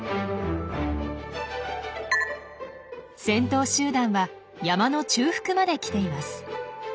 先頭集団は山の中腹まで来ています。